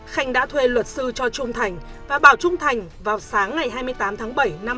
khanh đã thuê luật sư cho trung thành và bảo trung thành vào sáng ngày hai mươi tám tháng bảy năm hai nghìn một mươi ba